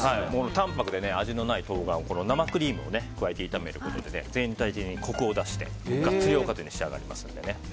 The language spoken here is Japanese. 淡泊で味のない冬瓜を生クリームを加えて炒めることで全体的にコクを出してガッツリおかずに仕上がりますので。